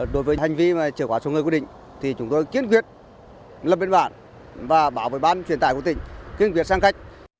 đối với hành vi trở qua xuống người quy định chúng tôi kiên quyết lập biên bản và bảo vệ ban truyền tải của tỉnh kiên quyết xác khách